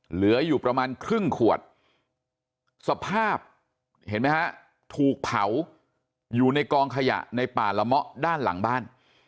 เหลืออยู่ประมาณครึ่งขวดสภาพเห็นไหมฮะถูกเผาอยู่ในกองขยะในป่าละเมาะด้านหลังบ้าน